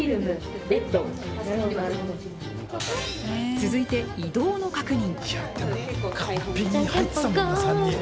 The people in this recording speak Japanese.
続いて、移動の確認。